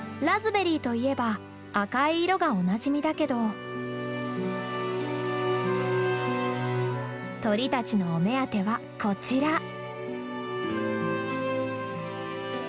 ラズベリーといえば赤い色がおなじみだけど鳥たちのお目当てはこちら。